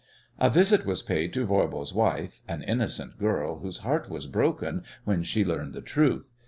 A visit was paid to Voirbo's wife, an innocent girl, whose heart was broken when she learned the truth.